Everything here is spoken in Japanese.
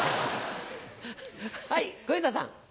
はい小遊三さん。